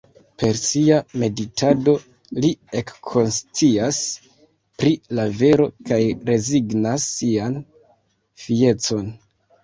Per sia meditado li ekkonscias pri la vero kaj rezignas sian fiecon.